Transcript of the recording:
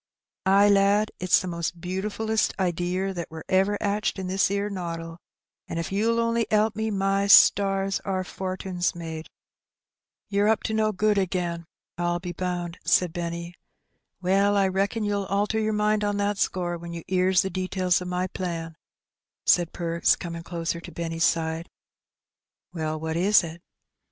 "Ay, lad, it's the most butifullest idear that wur ever 'atched in this 'ere noddle; an' if you'll only 'elp me, my stars ! our fortin's made." Perks Again. 189 '^ You're up to no good again^ PU be bound/' said Benny. "Well, I reckon you'll alter your mind on that score when yer 'ears the details o' my plan," said Perks, coming closer to Benny's side. "WeU, what is it?"